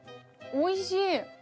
おいしい！